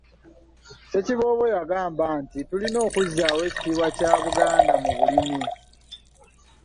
Ssekiboobo yagambye nti tulina okuzzaawo ekitiibwa kya Buganda mu bulimi.